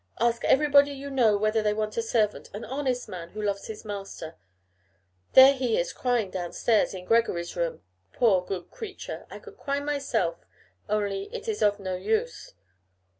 Ask everybody you know whether they want a servant, an honest man, who loves his master. There he is crying down stairs, in Gregory's room. Poor, good creature! I could cry myself, only it is of no use.